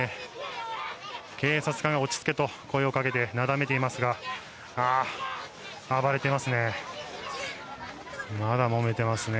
警察官が落ち着けと声をかけてなだめていますが暴れていますね。